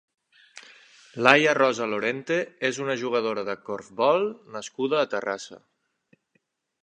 Laia Rosa Lorente és una jugadora de corfbol nascuda a Terrassa.